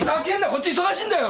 こっち忙しいんだよ！